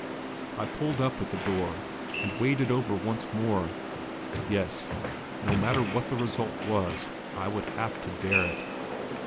I pulled up at the door and weighed it over once more. Yes, no matter what the result was, I would have to dare it.